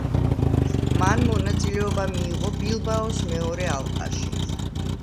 მან მონაწილეობა მიიღო ბილბაოს მეორე ალყაში.